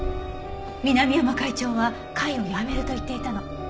南山会長は会を辞めると言っていたの。